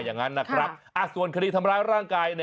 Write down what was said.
จากนั้นนะครับส่วนคลิปกับทำร้ายร่างกาย